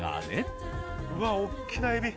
うわおっきなえび。